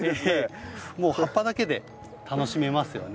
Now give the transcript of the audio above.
もう葉っぱだけで楽しめますよね。